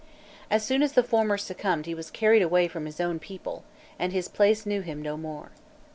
As soon as the former succumbed he was carried away from his own people, and his place knew him no more.